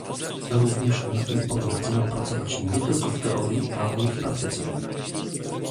Również na tym polu chcemy pracować nie tylko w teorii, ale i w praktyce